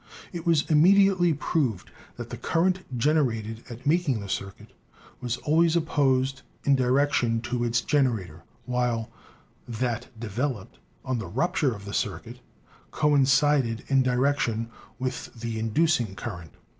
It was immediately proved that the current generated at making the circuit was always opposed in direction to its generator, while that developed on the rupture oj: the circuit coin cided in direction with the inducing current.